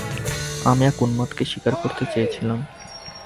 আমি এক উন্মাদকে শিকার করতে চেয়েছিলাম।